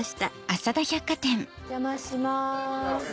お邪魔します。